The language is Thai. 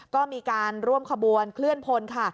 ก็มีการร่วมขบวนเคลื่อนพลค่ะ